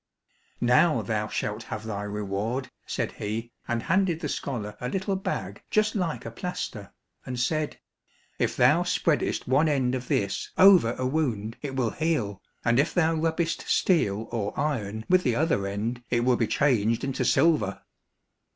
"Now thou shalt have thy reward," said he, and handed the scholar a little bag just like a plaster, and said, "If thou spreadest one end of this over a wound it will heal, and if thou rubbest steel or iron with the other end it will be changed into silver."